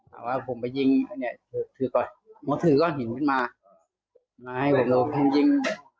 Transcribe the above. ถ้าว่าผมไปยิงเนี้ยถือก่อนมันถือก่อนหินมันมาไม่ให้ผมโดนยิง